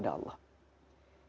dan berhati hati kepada allah